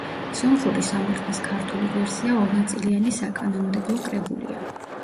სომხური სამართლის ქართული ვერსია ორნაწილიანი საკანონმდებლო კრებულია.